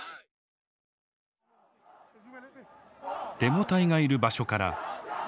デモ隊がいる場所から画面の奥